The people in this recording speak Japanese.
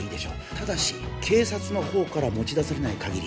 ただし警察のほうから持ち出されない限り